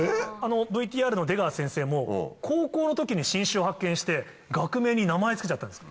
ＶＴＲの出川先生も高校の時に新種を発見して学名に名前付けちゃったんですから。